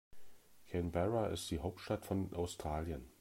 Canberra ist die Hauptstadt von Australien.